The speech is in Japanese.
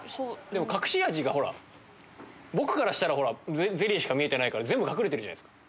でも隠し味が僕からしたらゼリーしか見えてないから全部隠れてるじゃないですか。